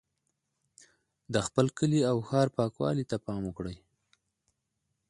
د خپل کلي او ښار پاکوالي ته پام وکړئ.